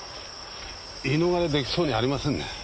言い逃れ出来そうにありませんね。